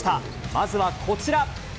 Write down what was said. まずはこちら。